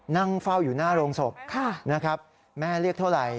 นั่งเฝ้าอยู่หน้าโรงศพนะครับแม่เรียกเท่าไหร่